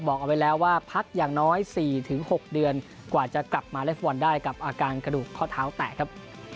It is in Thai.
บอกเอาไว้แล้วว่าพักอย่างน้อย๔๖เดือนกว่าจะกลับมาเล่นฟุตบอลได้กับอาการกระดูกข้อเท้าแตกครับ